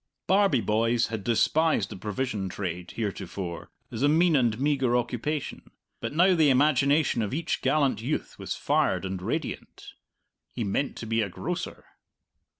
Barbie boys had despised the provision trade, heretofore, as a mean and meagre occupation; but now the imagination of each gallant youth was fired and radiant he meant to be a grocer.